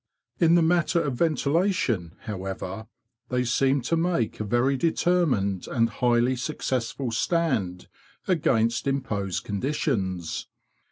In the matter of ventilation, however, they seem to make a very determined and highly successful stand against imposed conditions.